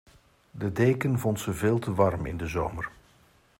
De deken vond ze veel te warm in de zomer.